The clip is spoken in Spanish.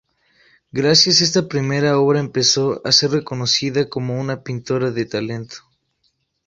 Gracias esta primera obra empezó a ser reconocida como una pintora de talento.